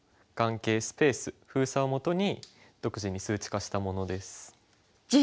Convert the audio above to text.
眼形スペース封鎖をもとに独自に数値化したものです。